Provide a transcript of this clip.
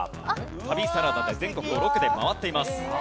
『旅サラダ』で全国をロケで回っています。